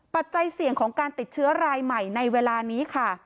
ปัจจัยเสี่ยงของการติดเชื้อรายใหม่ในเวลานี้ค่ะ